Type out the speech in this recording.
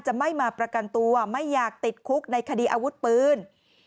จะไม่มาประกันตัวไม่อยากติดคุกในคดีอาวุธปืน